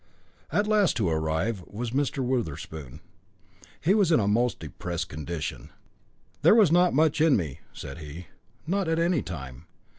The last to arrive was Mr. Wotherspoon. He was in a most depressed condition. "There was not much in me," said he, "not at any time.